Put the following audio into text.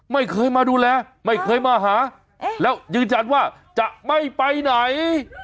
ไม่เคยมาดูแลไม่เคยมาหาแล้วยืนยันว่าจะไม่ไปไหน